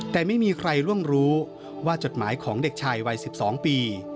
แต่ไม่มีใครล่วงรู้ว่าจดหมายของเด็กชายวัย๑๒ปี